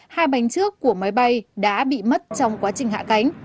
hai bánh trước của máy bay đã bị mất trong quá trình hạ cánh